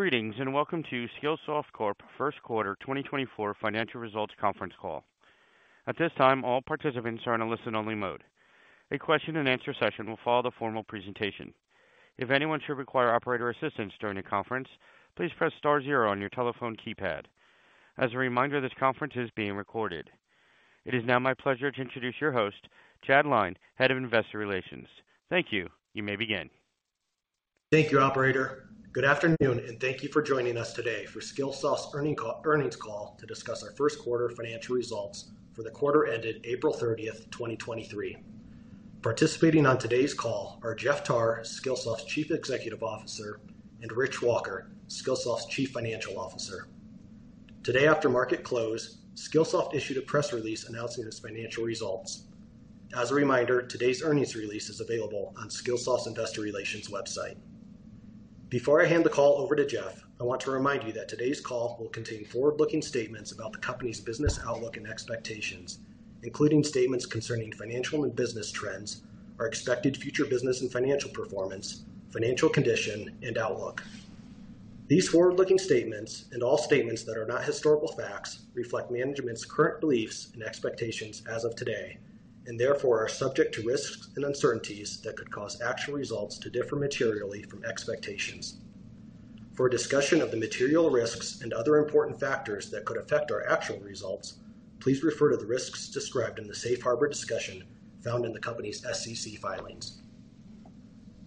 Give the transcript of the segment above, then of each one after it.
Greetings. Welcome to Skillsoft Corp First Quarter 2024 financial results conference call. At this time, all participants are in a listen-only mode. A question-and-answer session will follow the formal presentation. If anyone should require operator assistance during the conference, please press star zero on your telephone keypad. As a reminder, this conference is being recorded. It is now my pleasure to introduce your host, Chad Lyne, Head of Investor Relations. Thank you. You may begin. Thank you, operator. Good afternoon, and thank you for joining us today for Skillsoft's earnings call to discuss our first quarter financial results for the quarter ended April 30, 2023. Participating on today's call are Jeff Tarr, Skillsoft's Chief Executive Officer, and Rich Walker, Skillsoft's Chief Financial Officer. Today, after market close, Skillsoft issued a press release announcing its financial results. As a reminder, today's earnings release is available on Skillsoft's Investor Relations website. Before I hand the call over to Jeff, I want to remind you that today's call will contain forward-looking statements about the company's business outlook and expectations, including statements concerning financial and business trends, our expected future business and financial performance, financial condition, and outlook. These forward-looking statements, and all statements that are not historical facts, reflect management's current beliefs and expectations as of today, and therefore are subject to risks and uncertainties that could cause actual results to differ materially from expectations. For a discussion of the material risks and other important factors that could affect our actual results, please refer to the risks described in the safe harbor discussion found in the company's SEC filings.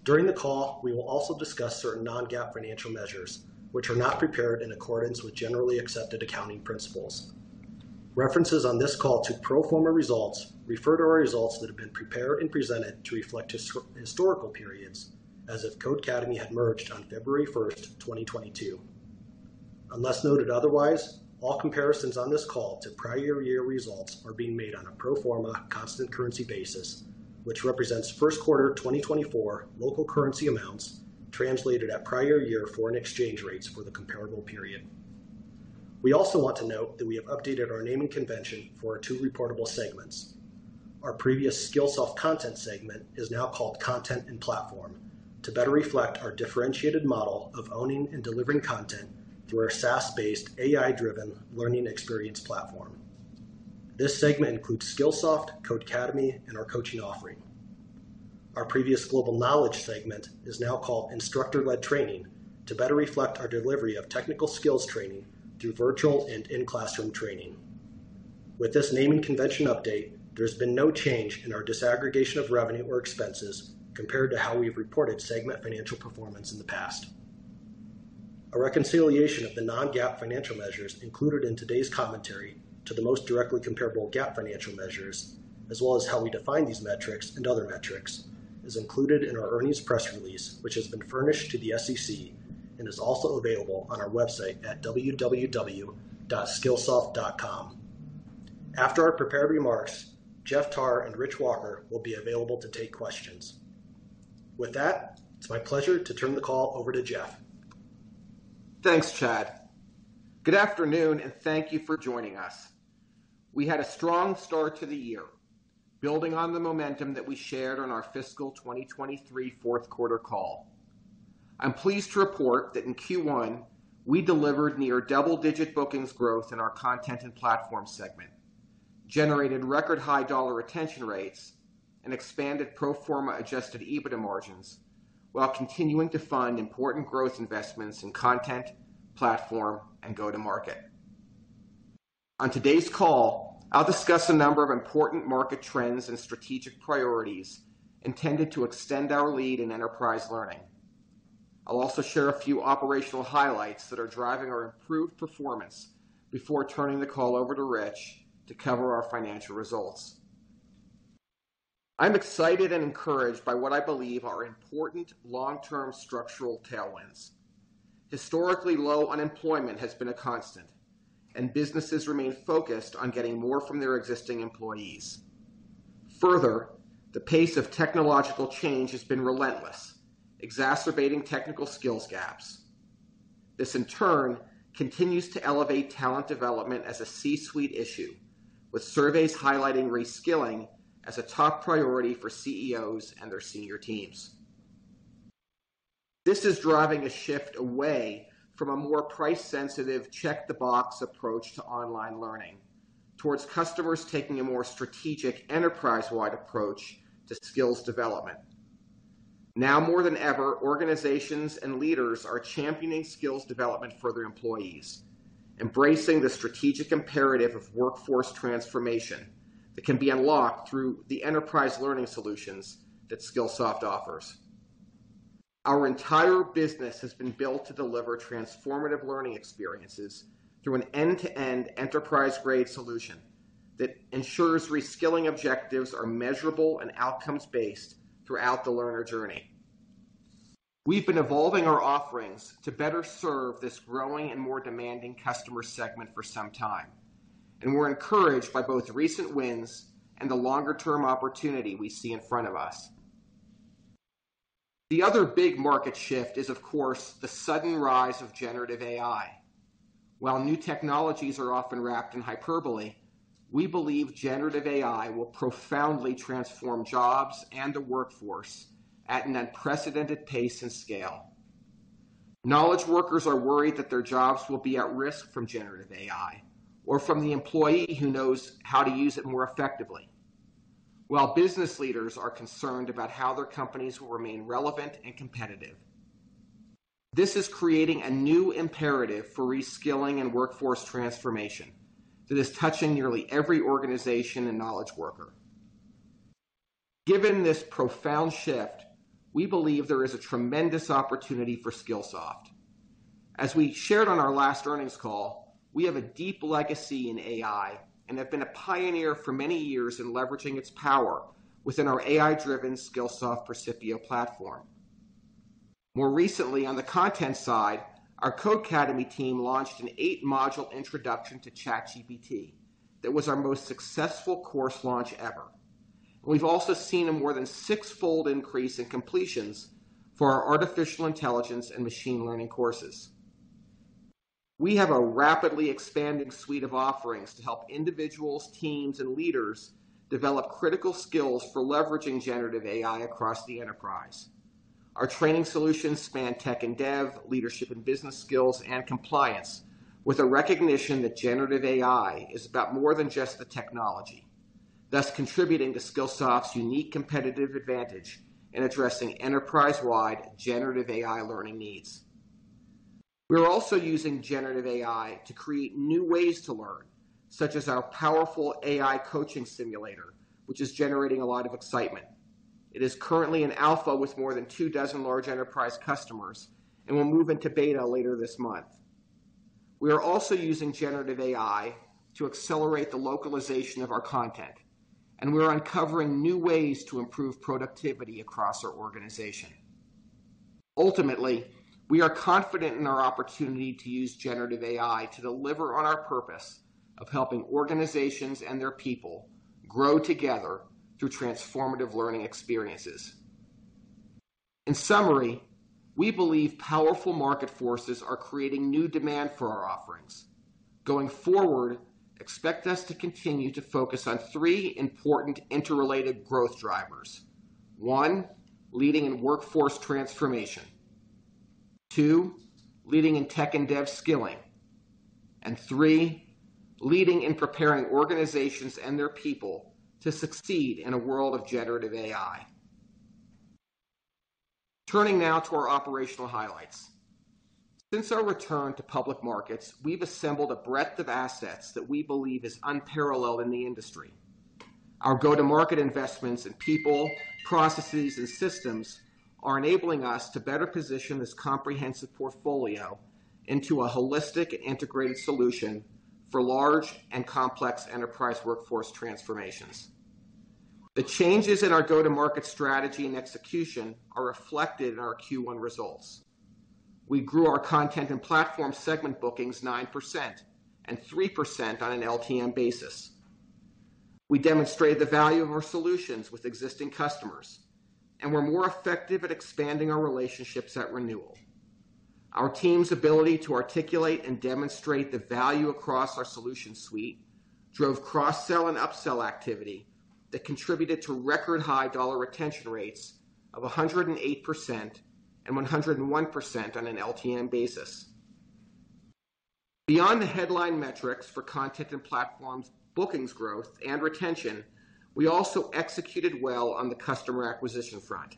During the call, we will also discuss certain non-GAAP financial measures, which are not prepared in accordance with generally accepted accounting principles. References on this call to pro forma results refer to our results that have been prepared and presented to reflect historical periods as if Codecademy had merged on February 1, 2022. Unless noted otherwise, all comparisons on this call to prior year results are being made on a pro forma constant currency basis, which represents first quarter 2024 local currency amounts translated at prior year foreign exchange rates for the comparable period. We also want to note that we have updated our naming convention for our two reportable segments. Our previous Skillsoft Content segment is now called Content and Platform to better reflect our differentiated model of owning and delivering content through our SaaS-based, AI-driven learning experience platform. This segment includes Skillsoft, Codecademy, and our coaching offering. Our previous Global Knowledge segment is now called Instructor-Led Training to better reflect our delivery of technical skills training through virtual and in-classroom training. With this naming convention update, there's been no change in our disaggregation of revenue or expenses compared to how we've reported segment financial performance in the past. A reconciliation of the non-GAAP financial measures included in today's commentary to the most directly comparable GAAP financial measures, as well as how we define these metrics and other metrics, is included in our earnings press release, which has been furnished to the SEC and is also available on our website at www.skillsoft.com. After our prepared remarks, Jeff Tarr and Rich Walker will be available to take questions. With that, it's my pleasure to turn the call over to Jeff. Thanks, Chad. Good afternoon, and thank you for joining us. We had a strong start to the year, building on the momentum that we shared on our fiscal 2023 fourth quarter call. I'm pleased to report that in Q1, we delivered near double-digit bookings growth in our Content and Platform segment, generated record high dollar retention rates and expanded pro forma adjusted EBITDA margins, while continuing to fund important growth investments in content, platform, and go-to-market. On today's call, I'll discuss a number of important market trends and strategic priorities intended to extend our lead in enterprise learning. I'll also share a few operational highlights that are driving our improved performance before turning the call over to Rich to cover our financial results. I'm excited and encouraged by what I believe are important long-term structural tailwinds. Historically, low unemployment has been a constant, and businesses remain focused on getting more from their existing employees. Further, the pace of technological change has been relentless, exacerbating technical skills gaps. This, in turn, continues to elevate talent development as a C-suite issue, with surveys highlighting reskilling as a top priority for CEOs and their senior teams. This is driving a shift away from a more price-sensitive, check-the-box approach to online learning, towards customers taking a more strategic, enterprise-wide approach to skills development. Now more than ever, organizations and leaders are championing skills development for their employees, embracing the strategic imperative of workforce transformation that can be unlocked through the enterprise learning solutions that Skillsoft offers. Our entire business has been built to deliver transformative learning experiences through an end-to-end enterprise-grade solution that ensures reskilling objectives are measurable and outcomes-based throughout the learner journey. We've been evolving our offerings to better serve this growing and more demanding customer segment for some time. We're encouraged by both recent wins and the longer-term opportunity we see in front of us. The other big market shift is, of course, the sudden rise of generative AI. While new technologies are often wrapped in hyperbole, we believe generative AI will profoundly transform jobs and the workforce at an unprecedented pace and scale. Knowledge workers are worried that their jobs will be at risk from generative AI or from the employee who knows how to use it more effectively, while business leaders are concerned about how their companies will remain relevant and competitive. This is creating a new imperative for reskilling and workforce transformation that is touching nearly every organization and knowledge worker. Given this profound shift, we believe there is a tremendous opportunity for Skillsoft. As we shared on our last earnings call, we have a deep legacy in AI and have been a pioneer for many years in leveraging its power within our AI-driven Skillsoft Percipio platform. More recently, on the content side, our Codecademy team launched an 8-module introduction to ChatGPT. That was our most successful course launch ever. We've also seen a more than 6-fold increase in completions for our artificial intelligence and machine learning courses. We have a rapidly expanding suite of offerings to help individuals, teams, and leaders develop critical skills for leveraging generative AI across the enterprise. Our training solutions span tech and dev, leadership and business skills, and compliance, with a recognition that generative AI is about more than just the technology, thus contributing to Skillsoft's unique competitive advantage in addressing enterprise-wide generative AI learning needs. We are also using generative AI to create new ways to learn, such as our powerful AI coaching simulator, which is generating a lot of excitement. It is currently in alpha with more than two dozen large enterprise customers and will move into beta later this month. We are also using generative AI to accelerate the localization of our content, and we are uncovering new ways to improve productivity across our organization. Ultimately, we are confident in our opportunity to use generative AI to deliver on our purpose of helping organizations and their people grow together through transformative learning experiences. In summary, we believe powerful market forces are creating new demand for our offerings. Going forward, expect us to continue to focus on three important interrelated growth drivers. One, leading in workforce transformation. Two, leading in tech and dev skilling. 3, leading in preparing organizations and their people to succeed in a world of generative AI. Turning now to our operational highlights. Since our return to public markets, we've assembled a breadth of assets that we believe is unparalleled in the industry. Our go-to-market investments in people, processes, and systems are enabling us to better position this comprehensive portfolio into a holistic, integrated solution for large and complex enterprise workforce transformations. The changes in our go-to-market strategy and execution are reflected in our Q1 results. We grew our Content and Platform segment bookings 9% and 3% on an LTM basis. We demonstrated the value of our solutions with existing customers, and we're more effective at expanding our relationships at renewal. Our team's ability to articulate and demonstrate the value across our solution suite drove cross-sell and upsell activity that contributed to record-high dollar retention rates of 108% and 101% on an LTM basis. Beyond the headline metrics for Content and Platform, bookings, growth, and retention, we also executed well on the customer acquisition front.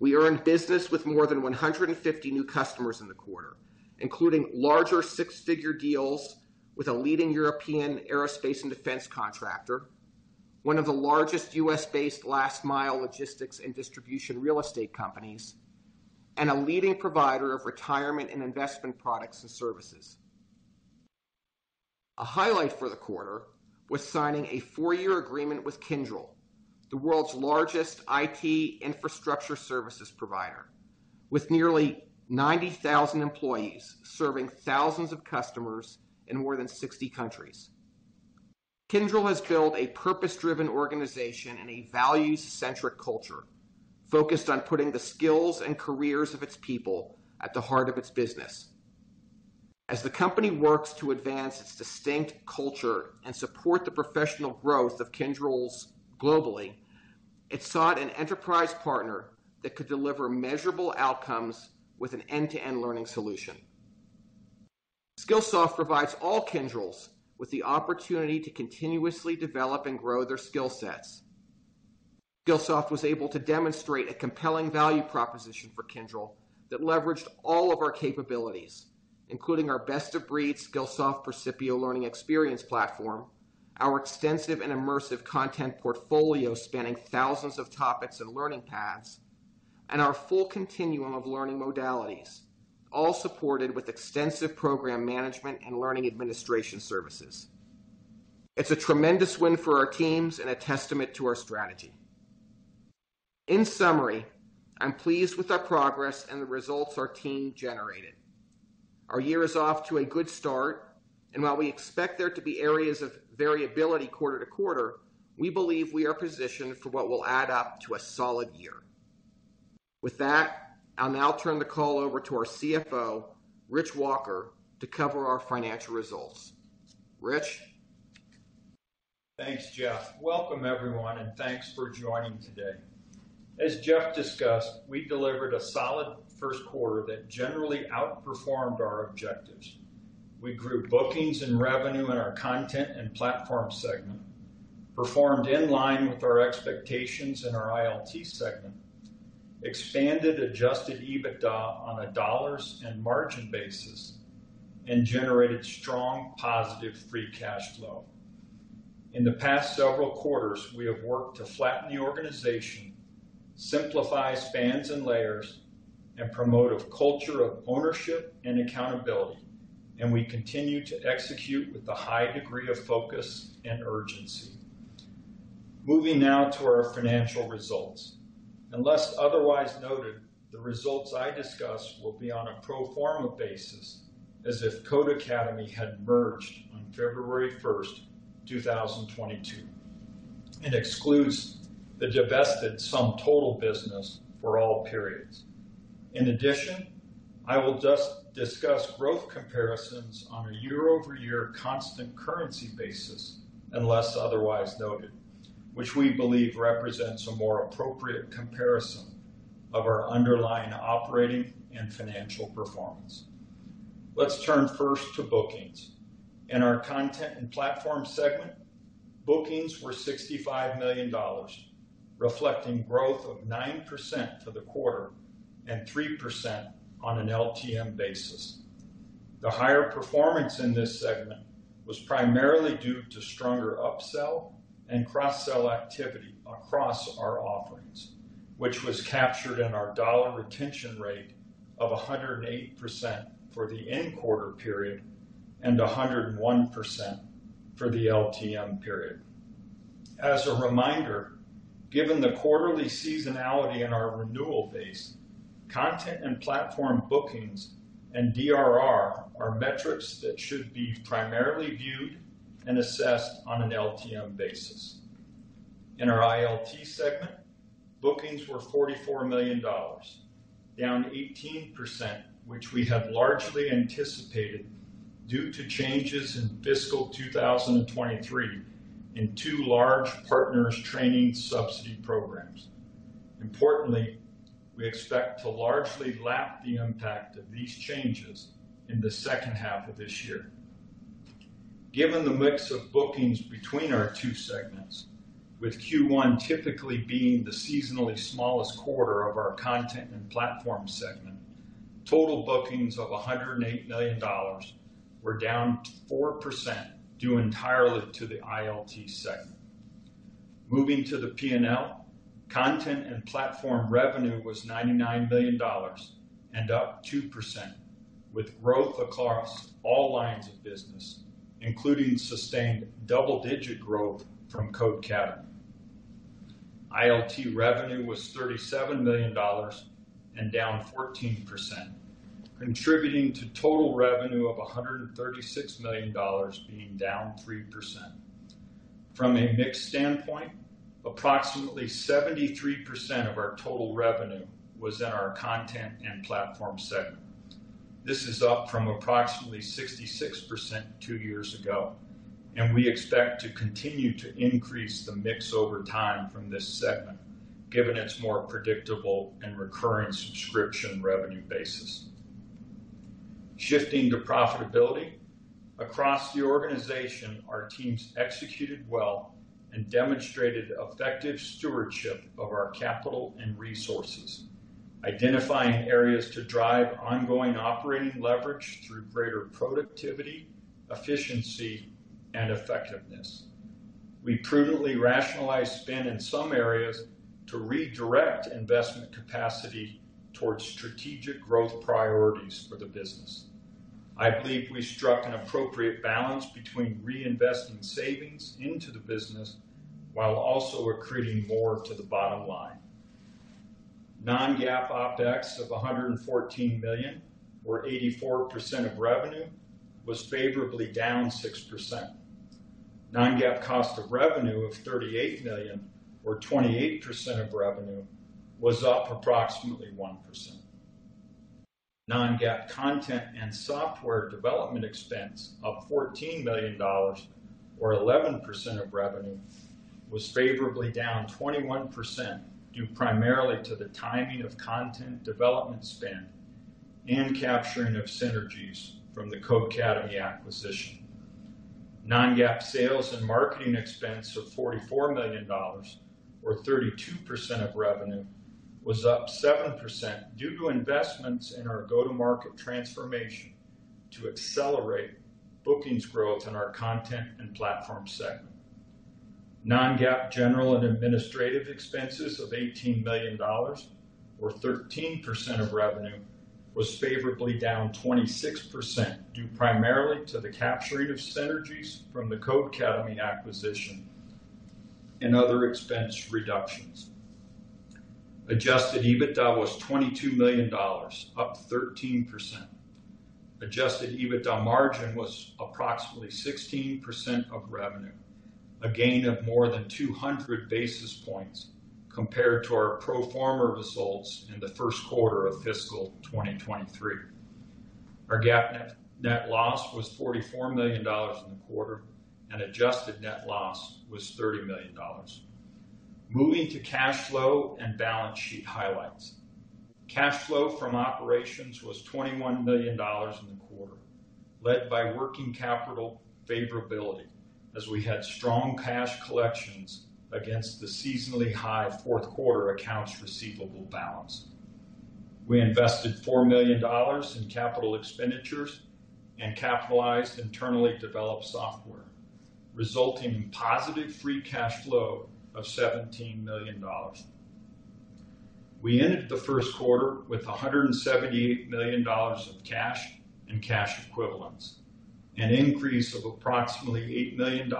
We earned business with more than 150 new customers in the quarter, including larger six-figure deals with a leading European aerospace and defense contractor, one of the largest US-based last-mile logistics and distribution real estate companies, and a leading provider of retirement and investment products and services. A highlight for the quarter was signing a four-year agreement with Kyndryl, the world's largest IT infrastructure services provider, with nearly 90,000 employees serving thousands of customers in more than 60 countries. Kyndryl has built a purpose-driven organization and a values-centric culture focused on putting the skills and careers of its people at the heart of its business. As the company works to advance its distinct culture and support the professional growth of Kyndryls globally, it sought an enterprise partner that could deliver measurable outcomes with an end-to-end learning solution. Skillsoft provides all Kyndryls with the opportunity to continuously develop and grow their skill sets. Skillsoft was able to demonstrate a compelling value proposition for Kyndryl that leveraged all of our capabilities, including our best-of-breed Skillsoft Percipio Learning experience platform, our extensive and immersive content portfolio spanning thousands of topics and learning paths, and our full continuum of learning modalities, all supported with extensive program management and learning administration services. It's a tremendous win for our teams and a testament to our strategy. In summary, I'm pleased with our progress and the results our team generated. Our year is off to a good start, and while we expect there to be areas of variability quarter to quarter, we believe we are positioned for what will add up to a solid year. With that, I'll now turn the call over to our CFO, Rich Walker, to cover our financial results. Rich? Thanks, Jeff. Welcome, everyone, and thanks for joining today. As Jeff discussed, we delivered a solid first quarter that generally outperformed our objectives. We grew bookings and revenue in our Content and Platform segment, performed in line with our expectations in our ILT segment, expanded adjusted EBITDA on a dollars and margin basis, and generated strong, positive free cash flow. In the past several quarters, we have worked to flatten the organization, simplify spans and layers, and promote a culture of ownership and accountability, and we continue to execute with a high degree of focus and urgency. Moving now to our financial results. Unless otherwise noted, the results I discuss will be on a pro forma basis as if Codecademy had merged on February 1st, 2022, and excludes the divested SumTotal business for all periods. I will just discuss growth comparisons on a year-over-year constant currency basis, unless otherwise noted, which we believe represents a more appropriate comparison of our underlying operating and financial performance. Let's turn first to bookings. In our Content and Platform segment, bookings were $65 million, reflecting growth of 9% for the quarter and 3% on an LTM basis. The higher performance in this segment was primarily due to stronger upsell and cross-sell activity across our offerings, which was captured in our dollar retention rate of 108% for the in-quarter period and 101% for the LTM period. As a reminder, given the quarterly seasonality in our renewal base, Content and Platform bookings and DRR are metrics that should be primarily viewed and assessed on an LTM basis. In our ILT segment, bookings were $44 million, down 18%, which we had largely anticipated due to changes in fiscal 2023 in two large partners training subsidy programs. Importantly, we expect to largely lap the impact of these changes in the second half of this year. Given the mix of bookings between our two segments, with Q1 typically being the seasonally smallest quarter of our Content and Platform segment, total bookings of $108 million were down 4%, due entirely to the ILT segment. Moving to the P&L, Content and Platform revenue was $99 million and up 2%, with growth across all lines of business, including sustained double-digit growth from Codecademy. ILT revenue was $37 million and down 14%, contributing to total revenue of $136 million being down 3%. From a mix standpoint, approximately 73% of our total revenue was in our Content and Platform segment. This is up from approximately 66% two years ago, and we expect to continue to increase the mix over time from this segment, given its more predictable and recurring subscription revenue basis. Shifting to profitability, across the organization, our teams executed well and demonstrated effective stewardship of our capital and resources, identifying areas to drive ongoing operating leverage through greater productivity, efficiency, and effectiveness. We prudently rationalized spend in some areas to redirect investment capacity towards strategic growth priorities for the business. I believe we struck an appropriate balance between reinvesting savings into the business while also accreting more to the bottom line. Non-GAAP OpEx of $114 million, or 84% of revenue, was favorably down 6%. Non-GAAP cost of revenue of $38 million, or 28% of revenue, was up approximately 1%. Non-GAAP content and software development expense of $14 million, or 11% of revenue, was favorably down 21%, due primarily to the timing of content development spend and capturing of synergies from the Codecademy acquisition. Non-GAAP sales and marketing expense of $44 million, or 32% of revenue, was up 7% due to investments in our go-to-market transformation to accelerate bookings growth in our Content and Platform segment. Non-GAAP general and administrative expenses of $18 million, or 13% of revenue, was favorably down 26%, due primarily to the capturing of synergies from the Codecademy acquisition and other expense reductions. Adjusted EBITDA was $22 million, up 13%. Adjusted EBITDA margin was approximately 16% of revenue, a gain of more than 200 basis points compared to our pro forma results in the first quarter of fiscal 2023. Our GAAP net loss was $44 million in the quarter, and adjusted net loss was $30 million. Moving to cash flow and balance sheet highlights. Cash flow from operations was $21 million in the quarter, led by working capital favorability, as we had strong cash collections against the seasonally high fourth quarter accounts receivable balance. We invested $4 million in capital expenditures and capitalized internally developed software, resulting in positive free cash flow of $17 million. We ended the first quarter with $178 million of cash and cash equivalents, an increase of approximately $8 million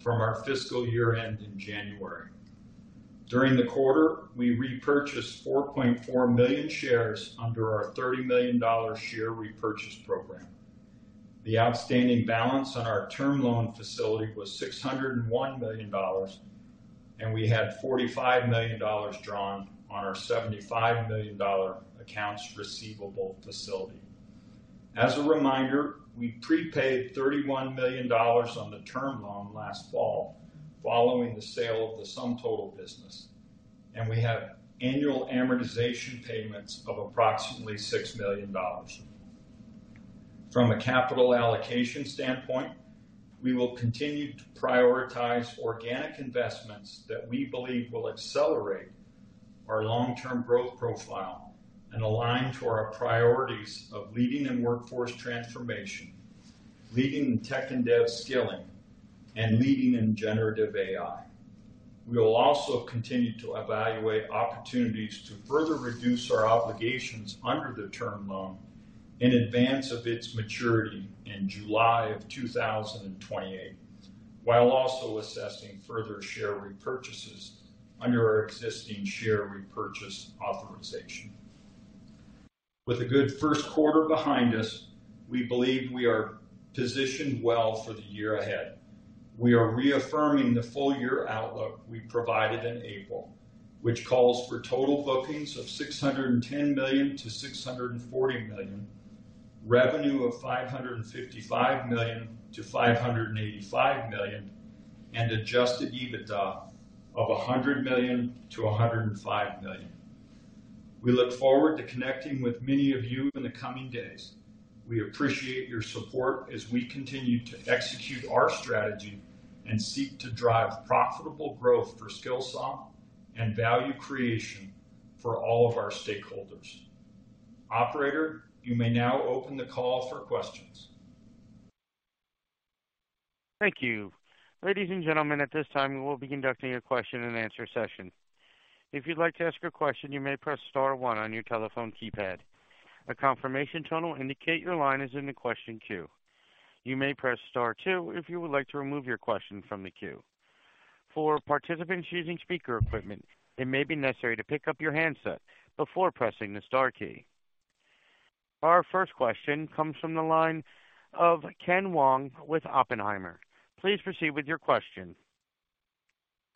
from our fiscal year-end in January. During the quarter, we repurchased 4.4 million shares under our $30 million share repurchase program. The outstanding balance on our term loan facility was $601 million, and we had $45 million drawn on our $75 million accounts receivable facility. As a reminder, we prepaid $31 million on the term loan last fall, following the sale of the SumTotal business, and we have annual amortization payments of approximately $6 million. From a capital allocation standpoint, we will continue to prioritize organic investments that we believe will accelerate our long-term growth profile and align to our priorities of leading in workforce transformation, leading in tech and dev skilling, and leading in generative AI. We will also continue to evaluate opportunities to further reduce our obligations under the term loan in advance of its maturity in July of 2028, while also assessing further share repurchases under our existing share repurchase authorization. With a good first quarter behind us, we believe we are positioned well for the year ahead. We are reaffirming the full-year outlook we provided in April, which calls for total bookings of $610 million-$640 million, revenue of $555 million-$585 million, and adjusted EBITDA of $100 million-$105 million. We look forward to connecting with many of you in the coming days. We appreciate your support as we continue to execute our strategy and seek to drive profitable growth for Skillsoft and value creation for all of our stakeholders. Operator, you may now open the call for questions. Thank you. Ladies and gentlemen, at this time, we will be conducting a question-and-answer session. If you'd like to ask a question, you may press star one on your telephone keypad. A confirmation tone will indicate your line is in the question queue. You may press star two if you would like to remove your question from the queue. For participants using speaker equipment, it may be necessary to pick up your handset before pressing the star key. Our first question comes from the line of Ken Wong with Oppenheimer. Please proceed with your question.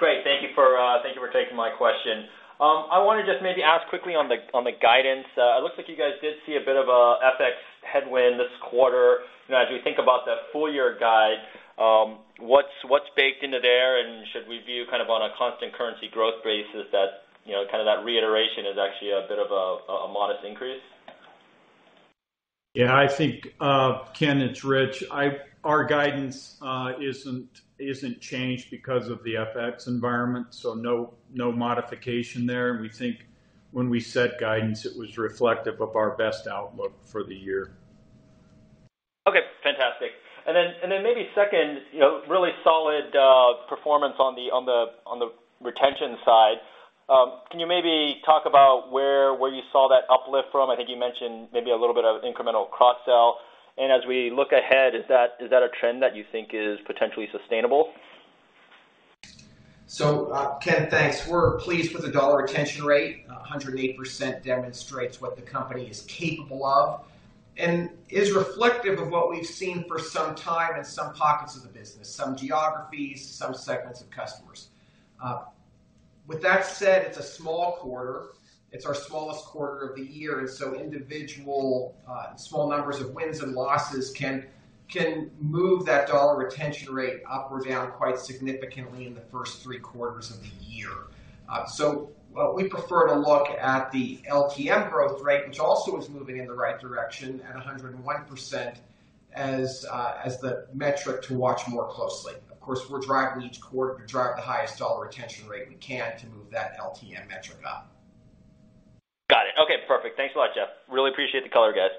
Great, thank you for, thank you for taking my question. I want to just maybe ask quickly on the, on the guidance. It looks like you guys did see a bit of a FX headwind this quarter. You know, as we think about that full year guide, what's baked into there? Should we view kind of on a constant currency growth basis that, you know, kind of that reiteration is actually a bit of a modest increase? Yeah, I think, Ken, it's Rich. Our guidance isn't changed because of the FX environment, so no modification there. We think when we set guidance, it was reflective of our best outlook for the year. Okay, fantastic. Then maybe second, you know, really solid performance on the retention side. Can you maybe talk about where you saw that uplift from? I think you mentioned maybe a little bit of incremental cross-sell. As we look ahead, is that a trend that you think is potentially sustainable? Ken, thanks. We're pleased with the dollar retention rate. 108% demonstrates what the company is capable of and is reflective of what we've seen for some time in some pockets of the business, some geographies, some segments of customers. With that said, it's a small quarter. It's our smallest quarter of the year, individual, small numbers of wins and losses can move that dollar retention rate up or down quite significantly in the first 3 quarters of the year. We prefer to look at the LTM growth rate, which also is moving in the right direction at 101%, as the metric to watch more closely. Of course, we're driving each quarter to drive the highest dollar retention rate we can to move that LTM metric up. Got it. Okay, perfect. Thanks a lot, Jeff. Really appreciate the color, guys.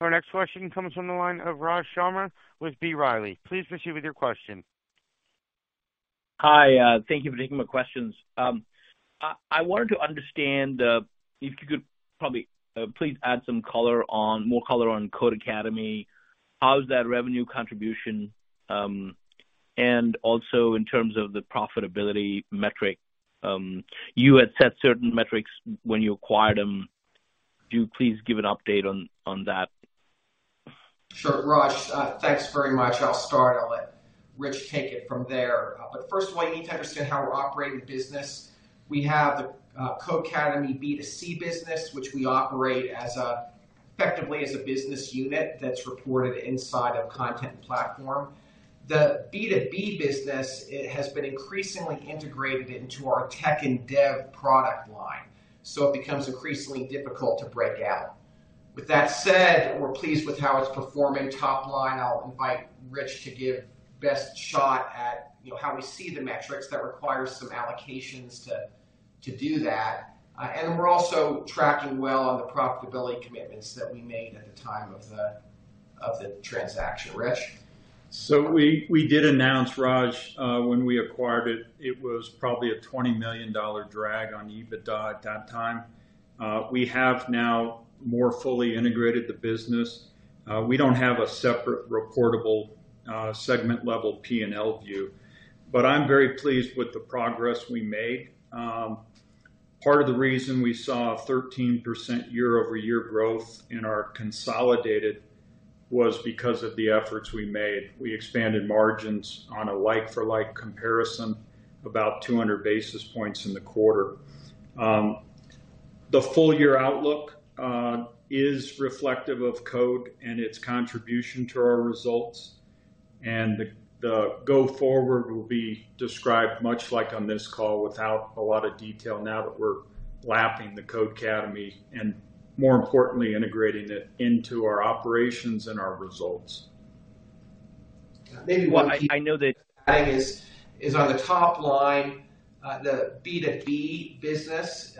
Our next question comes from the line of Raj Sharma with B. Riley. Please proceed with your question. Hi, thank you for taking my questions. I wanted to understand if you could probably please add some more color on Codecademy. How is that revenue contribution? In terms of the profitability metric, you had set certain metrics when you acquired them. Could you please give an update on that? Sure, Raj, thanks very much. I'll start, I'll let Rich take it from there. First of all, you need to understand how we're operating the business. We have the Codecademy B2C business, which we operate effectively as a business unit that's reported inside of Content and Platform. The B2B business, it has been increasingly integrated into our tech and dev product line, so it becomes increasingly difficult to break out. With that said, we're pleased with how it's performing top line. I'll invite Rich to give best shot at, you know, how we see the metrics that require some allocations to do that. And we're also tracking well on the profitability commitments that we made at the time of the transaction. Rich? We did announce, Raj, when we acquired it was probably a $20 million drag on EBITDA at that time. We have now more fully integrated the business. We don't have a separate reportable, segment-level P&L view, but I'm very pleased with the progress we made. Part of the reason we saw a 13% year-over-year growth in our consolidated was because of the efforts we made. We expanded margins on a like-for-like comparison, about 200 basis points in the quarter. The full year outlook is reflective of Code and its contribution to our results, and the go forward will be described much like on this call, without a lot of detail, now that we're lapping the Codecademy and more importantly, integrating it into our operations and our results. Maybe one. I know. Is on the top line, the B2B business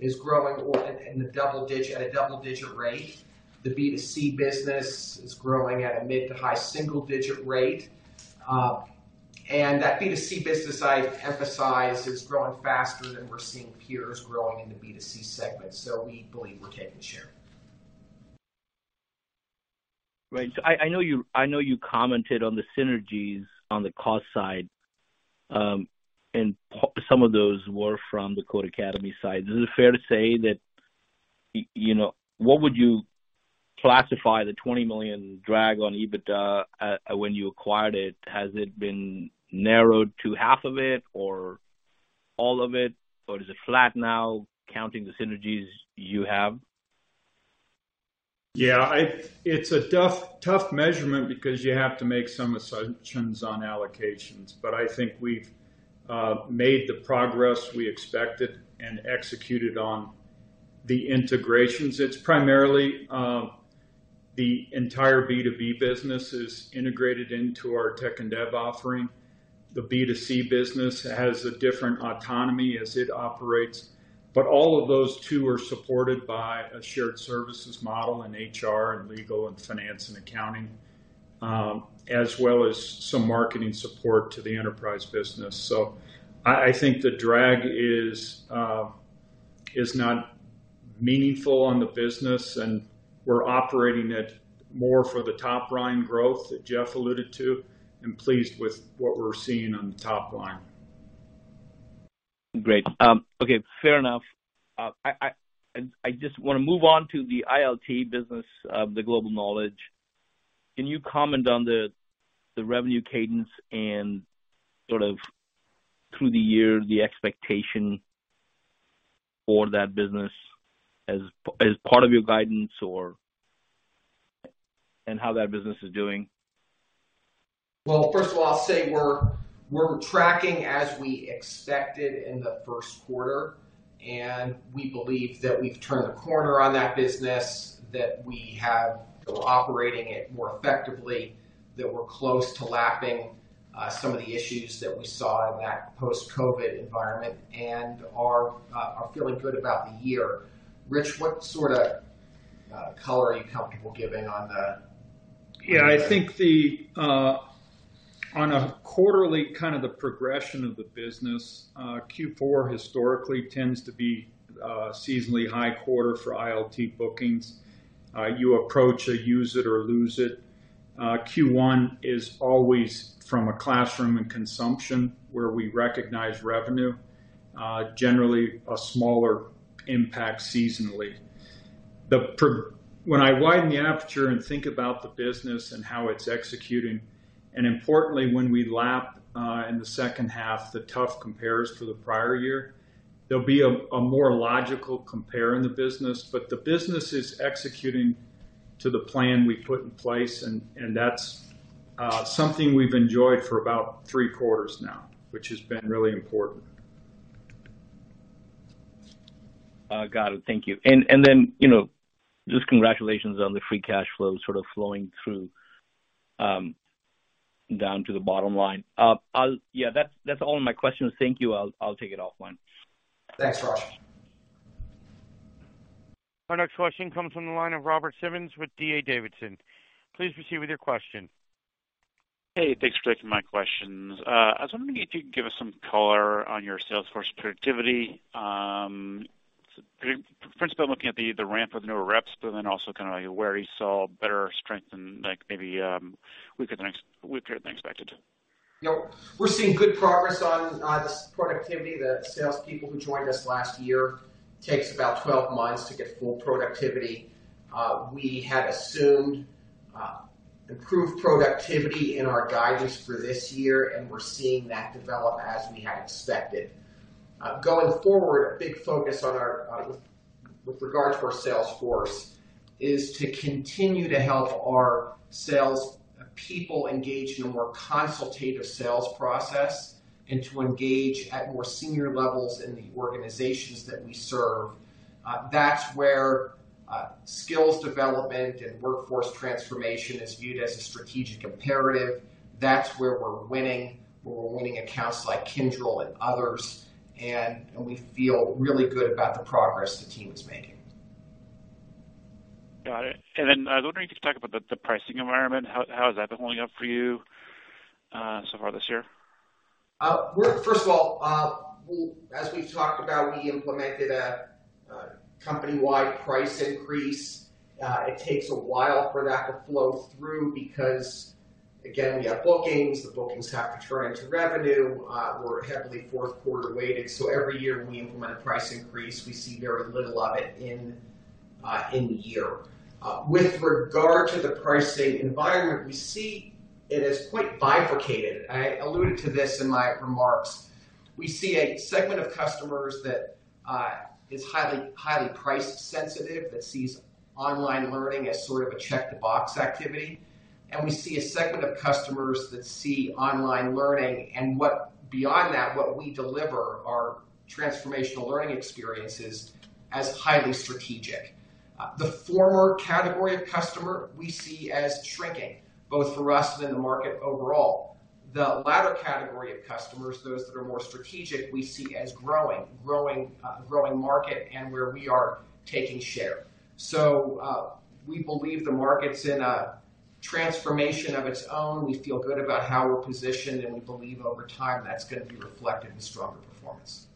is growing at a double-digit rate. The B2C business is growing at a mid to high single-digit rate. That B2C business, I'd emphasize, is growing faster than we're seeing peers growing in the B2C segment, so we believe we're taking share. Right. I know you commented on the synergies on the cost side, and some of those were from the Codecademy side. Is it fair to say that, you know, what would you classify the $20 million drag on EBITDA when you acquired it? Has it been narrowed to half of it or all of it, or is it flat now, counting the synergies you have? It's a tough measurement because you have to make some assumptions on allocations. I think we've made the progress we expected and executed on the integrations. It's primarily the entire B2B business is integrated into our tech and dev offering. The B2C business has a different autonomy as it operates, but all of those two are supported by a shared services model in HR, and legal, and finance, and accounting, as well as some marketing support to the enterprise business. I think the drag is not meaningful on the business, and we're operating it more for the top line growth that Jeff alluded to, and pleased with what we're seeing on the top line. Great. Okay, fair enough. I just want to move on to the ILT business, the Global Knowledge. Can you comment on the revenue cadence and sort of through the year, the expectation for that business as part of your guidance or... how that business is doing? First of all, I'll say we're tracking as we expected in the first quarter. We believe that we've turned the corner on that business. We're operating it more effectively, that we're close to lapping, some of the issues that we saw in that post-COVID environment and are feeling good about the year. Rich, what sort of, color are you comfortable giving on the- Yeah, I think the on a quarterly, kind of the progression of the business, Q4 historically tends to be a seasonally high quarter for ILT bookings. You approach a use it or lose it. Q1 is always from a classroom and consumption, where we recognize revenue, generally a smaller impact seasonally. When I widen the aperture and think about the business and how it's executing, and importantly, when we lap in the second half, the tough compares to the prior year, there'll be a more logical compare in the business. The business is executing to the plan we put in place, and that's something we've enjoyed for about three quarters now, which has been really important. got it. Thank you. You know, just congratulations on the free cash flow sort of flowing through, down to the bottom line. Yeah, that's all my questions. Thank you. I'll take it offline. Thanks, Raj. Our next question comes from the line of Robert Simmons with D.A. Davidson. Please proceed with your question. Hey, thanks for taking my questions. I was wondering if you could give us some color on your sales force productivity. First of all, looking at the ramp of the newer reps, also kind of where you saw better strength than like maybe weaker than expected? You know, we're seeing good progress on this productivity. The salespeople who joined us last year takes about 12 months to get full productivity. We had assumed improved productivity in our guidance for this year, and we're seeing that develop as we had expected. Going forward, a big focus on our with regards to our sales force, is to continue to help our sales people engage in a more consultative sales process and to engage at more senior levels in the organizations that we serve. That's where skills development and workforce transformation is viewed as a strategic imperative. That's where we're winning, where we're winning accounts like Kyndryl and others, and we feel really good about the progress the team is making. Got it. Then I was wondering if you could talk about the pricing environment. How has that been holding up for you so far this year? Well, first of all, as we've talked about, we implemented a company-wide price increase. It takes a while for that to flow through because, again, we have bookings. The bookings have to turn into revenue. We're heavily fourth quarter weighted, so every year when we implement a price increase, we see very little of it in the year. With regard to the pricing environment, we see it as quite bifurcated. I alluded to this in my remarks. We see a segment of customers that is highly price sensitive, that sees online learning as sort of a check-the-box activity. We see a segment of customers that see online learning and beyond that, what we deliver, our transformational learning experiences, as highly strategic. The former category of customer we see as shrinking, both for us and in the market overall. The latter category of customers, those that are more strategic, we see as growing market and where we are taking share. We believe the market's in a transformation of its own. We feel good about how we're positioned, and we believe over time, that's going to be reflected in stronger performance.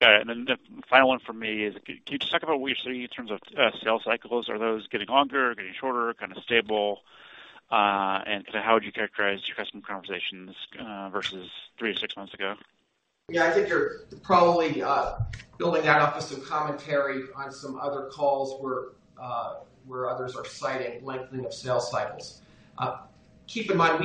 Got it. Then the final one from me is, can you just talk about what you're seeing in terms of sales cycles? Are those getting longer, getting shorter, kind of stable? kind of how would you characterize your customer conversations versus three to six months ago? I think you're probably building that off of some commentary on some other calls where others are citing lengthening of sales cycles. Keep in mind,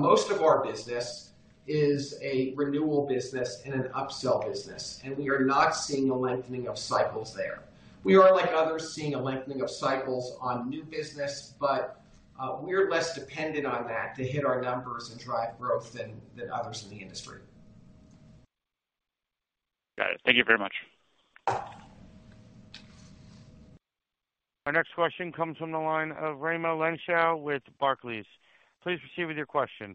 most of our business is a renewal business and an upsell business, and we are not seeing a lengthening of cycles there. We are, like others, seeing a lengthening of cycles on new business, but we're less dependent on that to hit our numbers and drive growth than others in the industry. Got it. Thank you very much. Our next question comes from the line of Raimo Lenschow with Barclays. Please proceed with your question.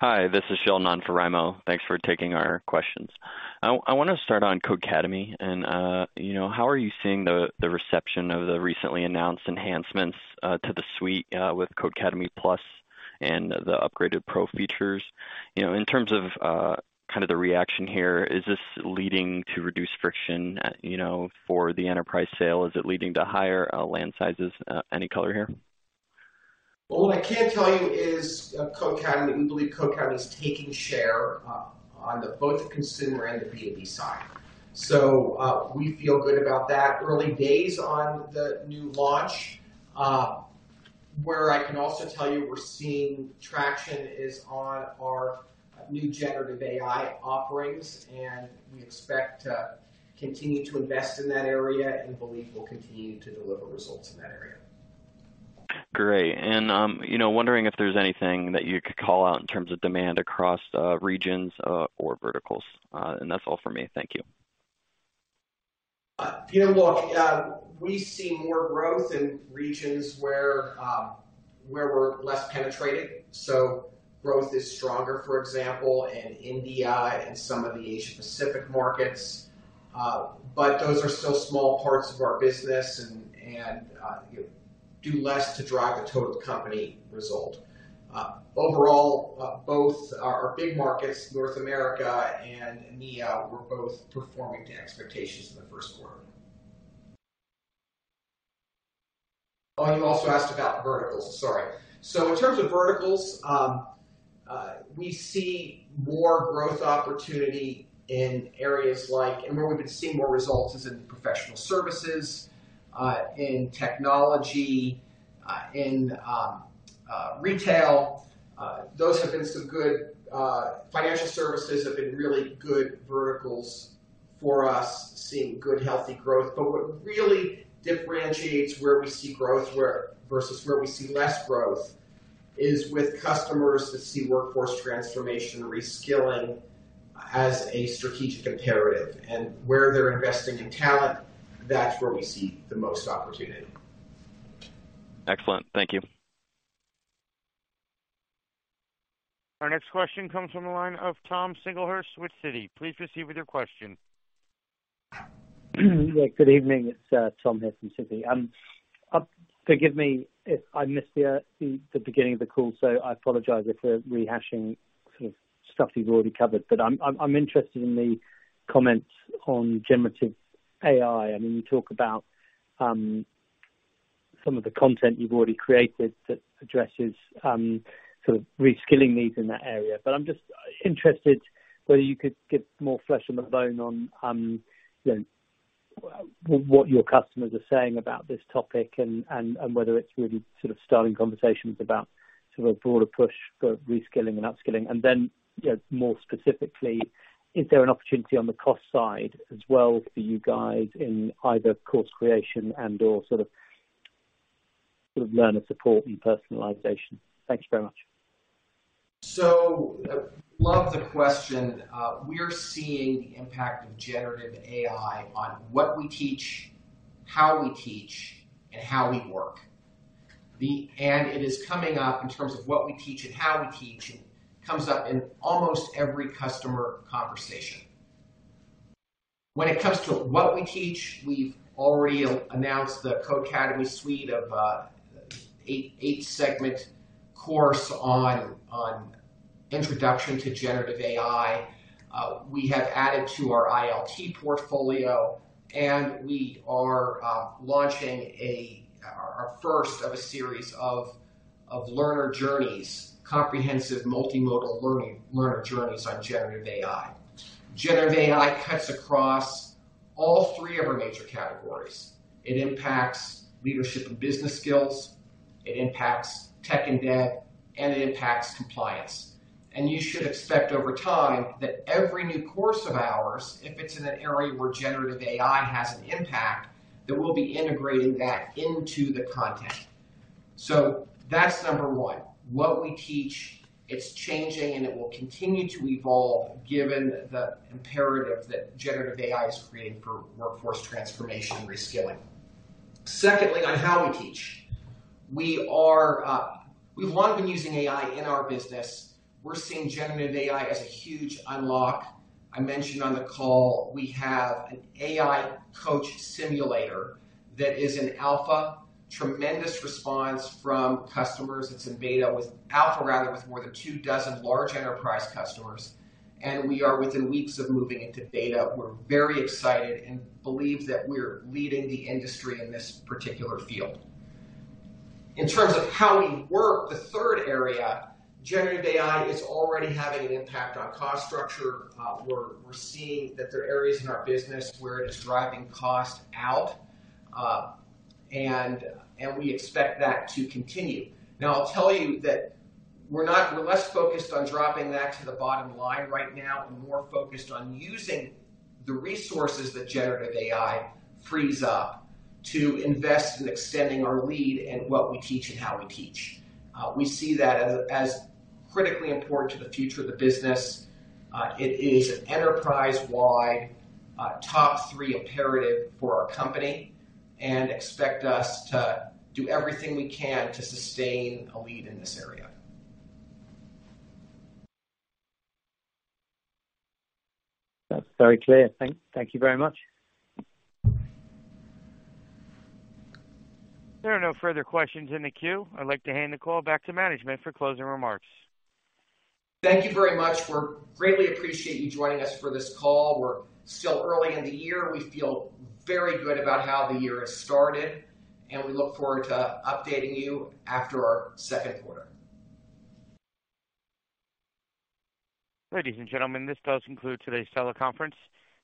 Hi, this is Sheldon for Raimo. Thanks for taking our questions. I want to start on Codecademy, and, you know, how are you seeing the reception of the recently announced enhancements to the suite with Codecademy Plus and the upgraded Pro features? You know, in terms of kind of the reaction here, is this leading to reduced friction, you know, for the enterprise sale? Is it leading to higher land sizes? Any color here? Well, what I can tell you is, Codecademy, we believe Codecademy is taking share on the both the consumer and the B2B side. We feel good about that. Early days on the new launch. Where I can also tell you we're seeing traction is on our new generative AI offerings, and we expect to continue to invest in that area and believe we'll continue to deliver results in that area. Great. You know, wondering if there's anything that you could call out in terms of demand across regions or verticals. That's all for me. Thank you. You know, look, we see more growth in regions where we're less penetrated. Growth is stronger, for example, in India and some of the Asia Pacific markets. Those are still small parts of our business and do less to drive the total company result. Overall, both our big markets, North America and EMEA, were both performing to expectations in the first quarter. Oh, you also asked about verticals. Sorry. In terms of verticals, we see more growth opportunity in areas like... Where we've been seeing more results is in professional services, in technology, in retail. Those have been some good... Financial services have been really good verticals for us, seeing good, healthy growth. What really differentiates where we see growth versus where we see less growth is with customers that see workforce transformation, reskilling as a strategic imperative. Where they're investing in talent, that's where we see the most opportunity. Excellent. Thank you. Our next question comes from the line of Tom Singlehurst with Citi. Please proceed with your question. Good evening. It's Tom Singlehurst here from Citi. Forgive me if I missed the beginning of the call, so I apologize if we're rehashing sort of stuff you've already covered. I'm interested in the comments on generative AI. I mean, you talk about some of the content you've already created that addresses sort of reskilling needs in that area. I'm just interested whether you could give more flesh on the bone on, you know, what your customers are saying about this topic and whether it's really starting conversations about sort of a broader push for reskilling and upskilling. Then, you know, more specifically, is there an opportunity on the cost side as well for you guys in either course creation and/or sort of learner support and personalization? Thank you very much. Love the question. We are seeing the impact of generative AI on what we teach, how we teach, and how we work. It is coming up in terms of what we teach and how we teach, and it comes up in almost every customer conversation. When it comes to what we teach, we've already announced the Codecademy suite of 8-segment course on Introduction to Generative AI. We have added to our ILT portfolio, and we are launching our first of a series of learner journeys, comprehensive multimodal learner journeys on generative AI. Generative AI cuts across all three of our major categories. It impacts leadership and business skills, it impacts tech and data, and it impacts compliance. You should expect over time that every new course of ours, if it's in an area where generative AI has an impact, that we'll be integrating that into the content. That's number one. What we teach, it's changing, and it will continue to evolve given the imperative that generative AI is creating for workforce transformation and reskilling. Secondly, on how we teach, we are, we've long been using AI in our business. We're seeing generative AI as a huge unlock. I mentioned on the call we have an AI coach simulator that is in alpha. Tremendous response from customers. It's in alpha rather, with more than two dozen large enterprise customers, and we are within weeks of moving into beta. We're very excited and believe that we're leading the industry in this particular field. In terms of how we work, the third area, generative AI, is already having an impact on cost structure. We're seeing that there are areas in our business where it is driving cost out, and we expect that to continue. I'll tell you that we're less focused on dropping that to the bottom line right now and more focused on using the resources that generative AI frees up to invest in extending our lead in what we teach and how we teach. We see that as critically important to the future of the business. It is an enterprise-wide top three imperative for our company and expect us to do everything we can to sustain a lead in this area. That's very clear. Thank you very much. There are no further questions in the queue. I'd like to hand the call back to management for closing remarks. Thank you very much. We're greatly appreciate you joining us for this call. We're still early in the year. We feel very good about how the year has started, and we look forward to updating you after our second quarter. Ladies and gentlemen, this does conclude today's teleconference.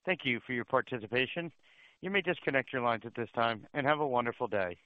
Thank you for your participation. You may disconnect your lines at this time, and have a wonderful day.